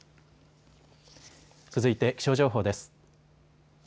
続いて気象情報です。